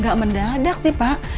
gak mendadak sih pak